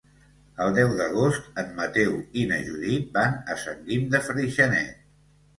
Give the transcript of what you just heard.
El deu d'agost en Mateu i na Judit van a Sant Guim de Freixenet.